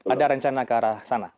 ada rencana ke arah sana